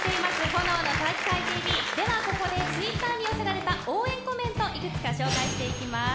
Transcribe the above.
「炎の体育会ＴＶ」ではここでＴｗｉｔｔｅｒに寄せられた応援コメントをいくつか紹介していきます。